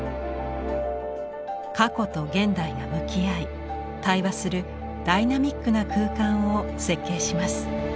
「過去」と「現代」が向き合い対話するダイナミックな空間を設計します。